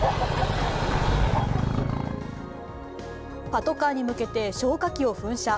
パトカーに向けて消火器を噴射。